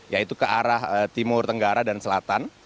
yaitu ke arah timur tenggara dan selatan